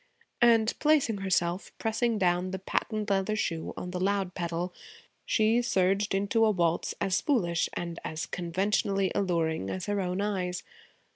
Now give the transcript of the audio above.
And placing herself, pressing down the patent leather shoe on the loud pedal, she surged into a waltz as foolish and as conventionally alluring as her own eyes.